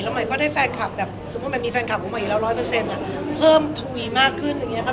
และก็ให้แฟนคับแบบสมมุติมันมีแฟนคับ๓๐๐อ่ะเพิ่มทุยมากขึ้นอย่างนี้นะครับ